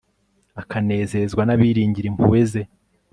akanezerezwa n'abiringira impuhwe ze